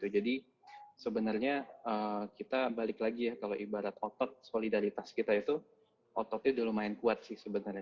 jadi sebenarnya kita balik lagi ya kalau ibarat otot solidaritas kita itu ototnya udah lumayan kuat sih sebenarnya